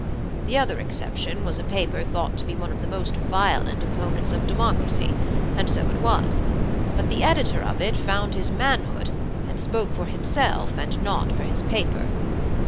"The other exception was a paper thought to be one of the most violent opponents of democracy, and so it was; but the editor of it found his manhood, and spoke for himself and not for his paper.